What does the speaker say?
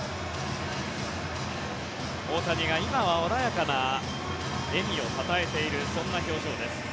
大谷が今は穏やかな笑みをたたえているそんな表情です。